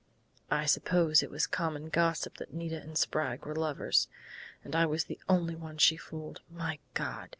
"I suppose it was common gossip that Nita and Sprague were lovers, and I was the only one she fooled!... My God!